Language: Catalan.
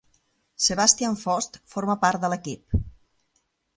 Sebastian Faust forma part de l'equip.